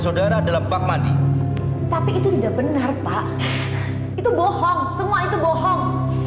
saudara adalah bank mandi tapi itu tidak benar pak itu bohong semua itu bohong